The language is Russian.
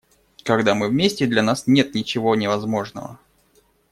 Когда мы вместе, для нас нет ничего невозможного.